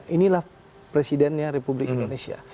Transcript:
inilah presidennya republik indonesia